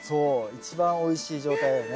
一番おいしい状態よね。